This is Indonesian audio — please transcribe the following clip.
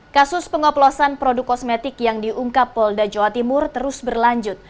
kasus pengoplosan produk kosmetik yang diungkap polda jawa timur terus berlanjut